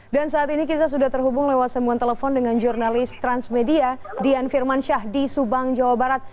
dan saat ini kita sudah terhubung lewat sembuhan telepon dengan jurnalis transmedia dian firman syah di subang jawa barat